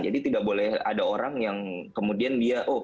jadi tidak boleh ada orang yang kemudian dia oh